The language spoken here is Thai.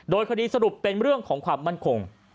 โดยคดีสรุปเป็นเรื่องของความมั่นคง